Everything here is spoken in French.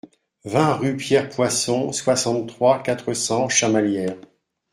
vingt rue Pierre Poisson, soixante-trois, quatre cents, Chamalières